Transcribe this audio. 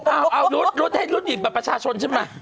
อ้าวรุ่นให้รุ่นอีกบัตรประชาชนใช่ไหม